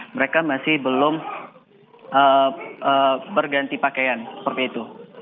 mereka masih belum berganti pakaian seperti itu